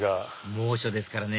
猛暑ですからね